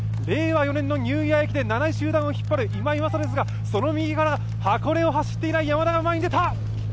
令和４年のニューイヤー駅伝、７位を引っ張る今井ですがその右から箱根を走っていない山田が前に出た。